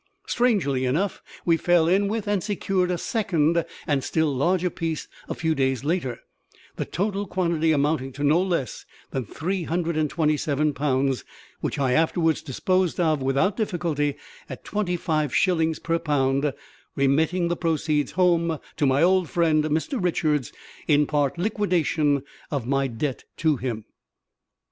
Strangely enough, we fell in with and secured a second and still larger piece a few days later; the total quantity amounting to no less than three hundred and twenty seven pounds, which I afterwards disposed of without difficulty at twenty five shillings per pound, remitting the proceeds home to my old friend, Mr Richards, in part liquidation of my debt to him.